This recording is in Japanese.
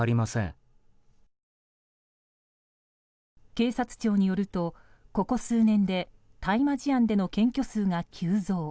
警察庁によると、ここ数年で大麻事案での検挙数が急増。